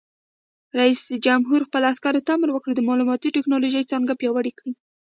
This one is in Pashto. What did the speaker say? رئیس جمهور خپلو عسکرو ته امر وکړ؛ د معلوماتي تکنالوژۍ څانګه پیاوړې کړئ!